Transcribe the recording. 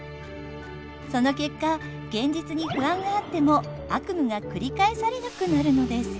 その結果現実に不安があっても悪夢がくり返されなくなるのです。